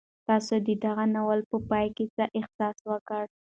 تاسو د دغه ناول په پای کې څه احساس وکړ؟